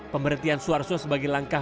pemerintian suar so sebagai langkah